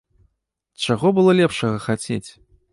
Чаго было лепшага хацець?!